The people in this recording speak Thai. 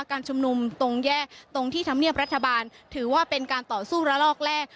การชุมนุมตรงแยกตรงที่ธรรมเนียบรัฐบาลถือว่าเป็นการต่อสู้ระลอกแรก